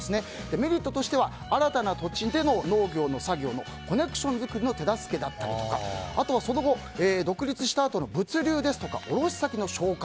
メリットとしては新たな土地での農業の作業のコネクション作りの手助けだったりあとはその後、独立したあとの物流、卸先の紹介。